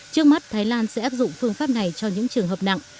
trước mắt thái lan sẽ áp dụng phương pháp này cho những trường hợp nặng